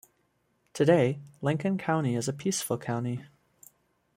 Today, Lincoln County is a peaceful county.